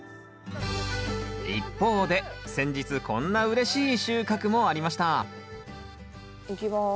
一方で先日こんなうれしい収穫もありましたいきます。